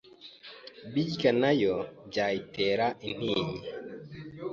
Birya nayo byayitera intinyi